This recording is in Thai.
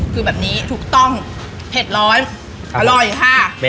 คือแบบนี้ถูกต้องเผ็ดร้อนอร่อยค่ะ